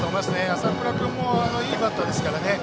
浅倉君もいいバッターですからね。